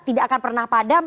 tidak akan pernah padam